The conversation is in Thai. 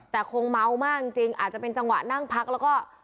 แต่คงเมามากจริงอาจจะเป็นจังหวะนั่งพักแล้วก็